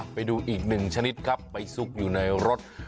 ไปดูอีกหนึ่งชนิดครับไปซุกอยู่ในรถ